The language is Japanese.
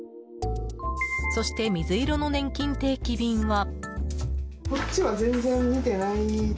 そして水色のねんきん定期便は。